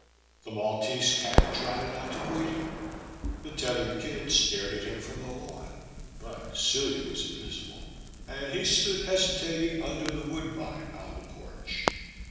The Maltese cat trotted out to greet him, the tethered kid stared at him from the lawn, but Celia was invisible, and he stood hesitating under the woodbine on the porch.